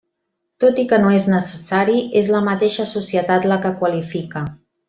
Tot i que no és necessari, és la mateixa societat la que qualifica.